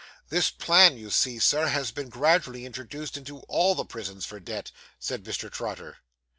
'This plan, you see, Sir, has been gradually introduced into all the prisons for debt,' said Mr. Trotter.